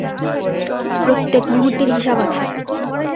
প্রত্যেক মুহূর্তের হিসেব আছে।